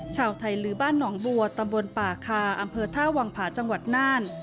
ชาวไทยลื้อบ้านหนองบัวตำบลป่าคาอำเภอท่าวังผาจังหวัดน่าน